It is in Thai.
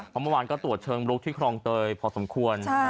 เพราะเมื่อวานก็ตรวจเชิงลุกที่ครองเตยพอสมควร